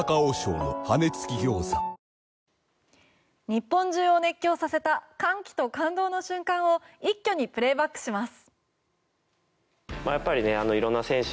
日本中を熱狂させた歓喜と感動の瞬間を一挙にプレーバックします。